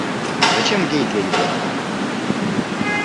Зачем в Гейдельберг?